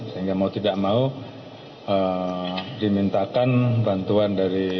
sehingga mau tidak mau dimintakan bantuan dari